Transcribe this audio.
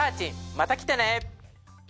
また来てね